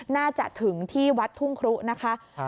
น่าจะถึงที่วัดทุ่งครุนะคะ